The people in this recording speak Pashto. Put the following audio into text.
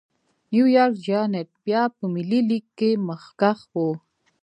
نیویارک جېانټ بیا په ملي لېګ کې مخکښ و.